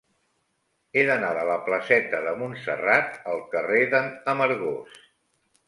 He d'anar de la placeta de Montserrat al carrer de n'Amargós.